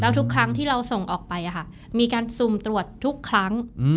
ทุกครั้งที่เราส่งออกไปมีการสุ่มตรวจทุกครั้ง